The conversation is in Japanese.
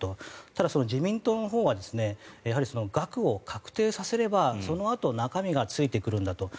ただ、自民党のほうはやはり額を確定させればそのあと中身がついてくるんだと。